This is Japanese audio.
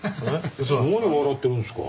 何笑ってるんですか。